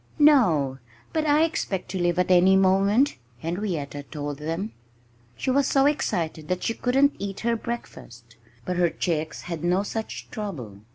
"No! But I expect to leave at any moment," Henrietta told them. She was so excited that she couldn't eat her breakfast. But her chicks had no such trouble.